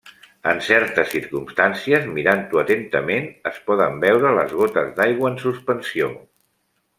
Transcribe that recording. En certes circumstàncies, mirant-ho atentament, es poden veure les gotes d'aigua en suspensió.